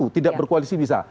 satu tidak berkoalisi bisa